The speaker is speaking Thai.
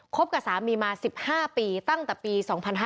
บกับสามีมา๑๕ปีตั้งแต่ปี๒๕๕๙